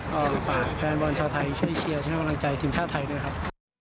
ก็ฝากแฟนบอลชาวไทยช่วยเชียร์ช่วยกำลังใจทีมชาติไทยด้วยครับ